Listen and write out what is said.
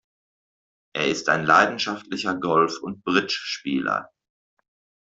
Er ist ein leidenschaftlicher Golf- und Bridge-Spieler.